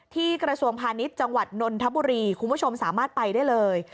กระทรวงพาณิชย์จังหวัดนนทบุรีคุณผู้ชมสามารถไปได้เลย